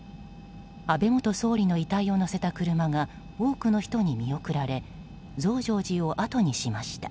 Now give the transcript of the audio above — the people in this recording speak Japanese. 安倍元総理の遺体を乗せた車が多くの人に見送られ増上寺をあとにしました。